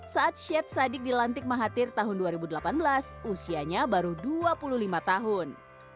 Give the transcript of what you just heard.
saat sheikh sadik dilantik mahathir tahun dua ribu delapan belas usianya baru dua puluh lima tahun